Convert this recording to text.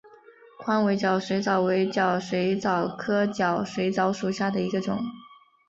宽尾角水蚤为角水蚤科角水蚤属下的一个种。